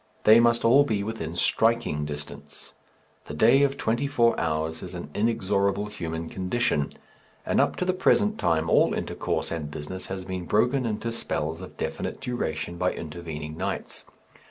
They must all be within striking distance. The day of twenty four hours is an inexorable human condition, and up to the present time all intercourse and business has been broken into spells of definite duration by intervening nights.